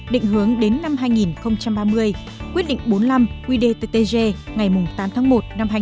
định hướng đến năm hai nghìn ba mươi quyết định bốn mươi năm qdttg ngày tám tháng một năm hai nghìn hai mươi